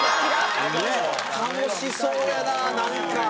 楽しそうやななんか。